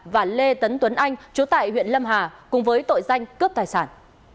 và lê tấn tuấn anh chú tại huyện lâm hà cùng với tội danh cướp tài sản